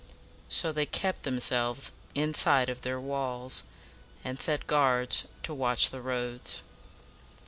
So they kept themselves inside of their walls, and set guards to watch the roads.